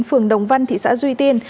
phường đồng văn thị xã duy tiên